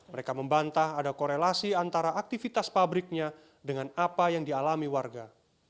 mereka membantah ada korelasi antara aktivitas pabriknya dengan apa yang dialami warga